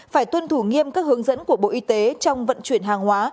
phải tuân thủ nghiêm các hướng dẫn của bộ y tế trong vận chuyển hàng hóa